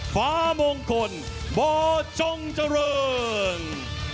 ฟ้ามงคลบจงจริง